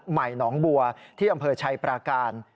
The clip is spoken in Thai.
ใหม่หนองบัวที่อำเภอชัยปราการ